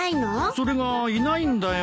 それがいないんだよ。